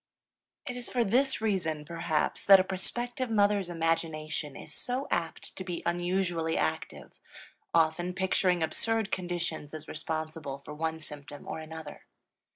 It is for this reason, perhaps, that a prospective mother's imagination is so apt to be unusually active, often picturing absurd conditions as responsible for one symptom or another.